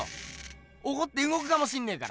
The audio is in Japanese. おこってうごくかもしんねえから。